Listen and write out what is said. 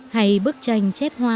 hay bức tranh chép hoa